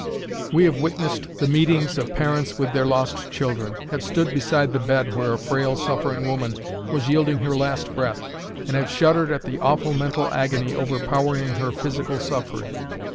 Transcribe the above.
We have witnessed the meetings of parents with their lost children; have stood beside the bed where a frail, suffering woman was yielding her last breath, and have shuddered at the awful mental agony overpowering her physical suffering.